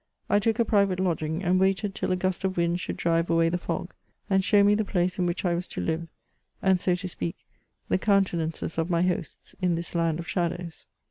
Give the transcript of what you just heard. I took a private lodging, and waited till a gust of wind should drive away the fog, and show me the place in which I was to live, and so to speak, the countenances of my hosts, in this land of shadows.